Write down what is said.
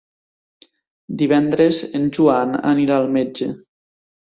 Divendres en Joan anirà al metge.